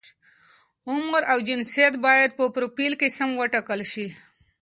عمر او جنسیت باید په فروفیل کې سم وټاکل شي.